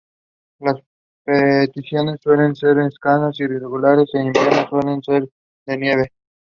Ferry studied Music Business and Digital Marketing at the Los Angeles College of Music.